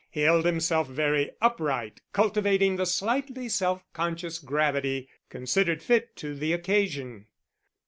He held himself very upright, cultivating the slightly self conscious gravity considered fit to the occasion.